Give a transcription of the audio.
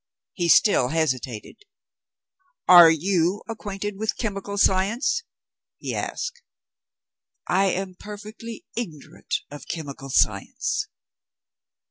He still hesitated. "Are you acquainted with chemical science?" he asked. "I am perfectly ignorant of chemical science."